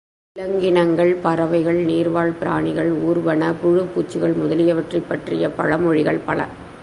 விலங்கினங்கள், பறவைகள், நீர்வாழ் பிராணிகள், ஊர்வன, புழுபூச்சிகள் முதலியவற்றைப் பற்றிய பழமொழிகள் பல.